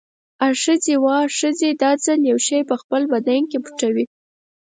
آ ښځې، واه ښځې، دا ځل یو شی په خپل بدن کې پټوم.